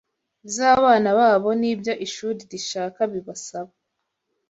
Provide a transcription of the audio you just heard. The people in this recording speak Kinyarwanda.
z’abana babo n’ibyo ishuri rishaka bibasaba